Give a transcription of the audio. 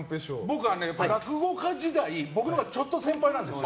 僕はね、落語家時代僕のほうがちょっと先輩なんです。